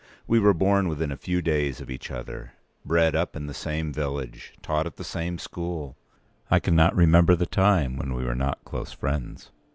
We were born within a few days of each other; bred up in the same village; taught at the same school. I cannot remember the time when we were not close friends.